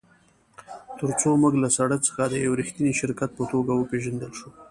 ترڅو موږ له سړک څخه د یو ریښتیني شرکت په توګه وپیژندل شو